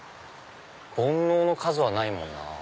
煩悩の数はないもんな。